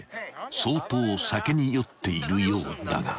［相当酒に酔っているようだが］